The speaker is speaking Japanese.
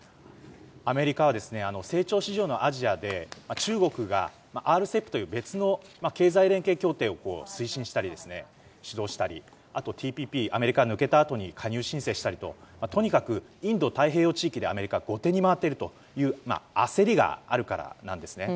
アメリカは成長市場のアジアで中国がＲＣＥＰという別の経済連携協定を推進したり、主導したりあとＴＰＰ、アメリカが抜けたあとに加入申請したりととにかくインド太平洋地域でアメリカは後手に回っていると焦りがあるからなんですね。